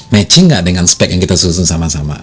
matching nggak dengan spek yang kita susun sama sama